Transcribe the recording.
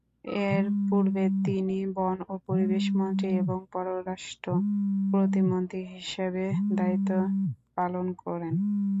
এরপূর্বে তিনি বন ও পরিবেশ মন্ত্রী এবং পররাষ্ট্র প্রতিমন্ত্রী হিসেবে দায়িত্ব পালন করেন।